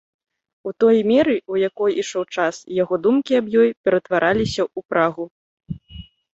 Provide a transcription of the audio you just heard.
У той меры, у якой ішоў час, яго думкі аб ёй ператвараліся ў прагу.